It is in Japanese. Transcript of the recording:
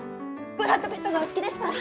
ブラッド・ピットがお好きでしたら。